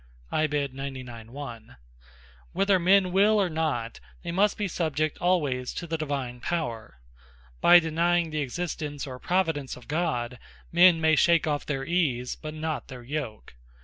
(Psal. 98. 1). Whether men will or not, they must be subject alwayes to the Divine Power. By denying the Existence, or Providence of God, men may shake off their Ease, but not their Yoke.